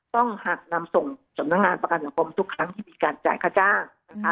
ต้องหากนำส่งสำนักงานประกันสังคมทุกครั้งที่มีการจ่ายค่าจ้างนะคะ